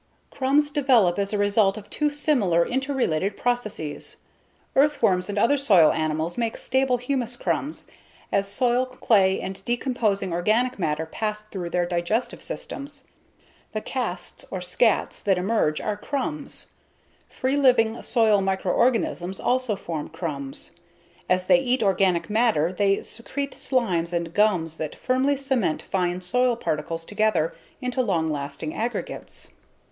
Crumbs develop as a result of two similar, interrelated processes. Earthworms and other soil animals make stable humus crumbs as soil, clay and decomposing organic matter pass through their digestive systems. The casts or scats that emerge are crumbs. Free living soil microorganisms also form crumbs. As they eat organic matter they secrete slimes and gums that firmly cement fine soil particles together into long lasting aggregates.